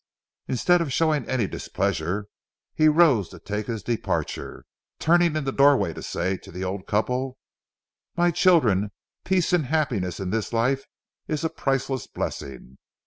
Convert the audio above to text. Instead of showing any displeasure, he rose to take his departure, turning in the doorway to say to the old couple:— "My children, peace and happiness in this life is a priceless blessing.